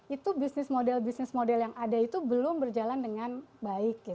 itu bisnis model bisnis model yang ada itu belum berjalan dengan baik